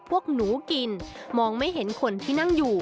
พวกหนูกินมองไม่เห็นคนที่นั่งอยู่